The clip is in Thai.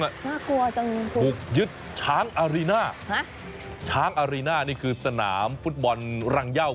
อ่ะน่ากลัวจังพวกหยึดช้างอารีน่าหั้ะช้างอารีน่านี่คือสนามฟุตบอลรังเยาะ